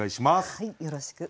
はいよろしく。